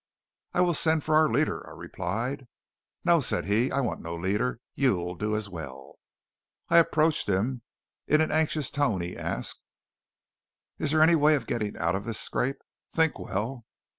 "I will send for our leader," I replied. "No," said he, "I want no leader. You'll do as well." I approached him. In an anxious tone he asked: "Is there any way of getting out of this scrape? Think well!"